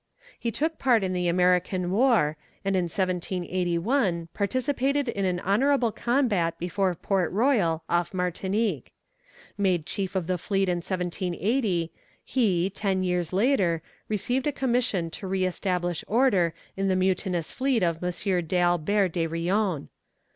He took part in the American war, and in 1781 participated in an honourable combat before Port Royal off Martinique. Made Chief of the fleet in 1780, he, ten years later, received a commission to re establish order in the mutinous fleet of M. d'Albert de Rions.